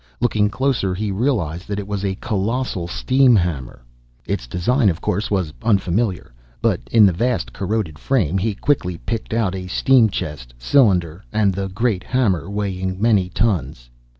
Looking closer, he realized that it was a colossal steam hammer! Its design, of course, was unfamiliar. But in the vast, corroded frame he quickly picked out a steam chest, cylinder, and the great hammer, weighing many tons.